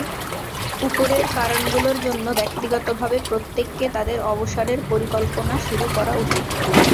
উপরের কারণগুলোর জন্য ব্যক্তিগতভাবে প্রত্যেককে তাদের অবসরের পরিকল্পনা শুরু করা উচিত।